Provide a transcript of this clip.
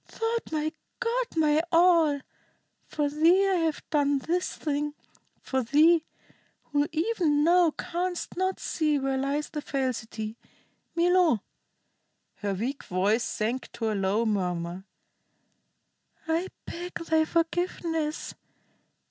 Thou'rt my god, my all. For thee I have done this thing. For thee, who even now canst not see where lies the falsity. Milo" her weak voice sank to a low murmur "I beg thy forgiveness.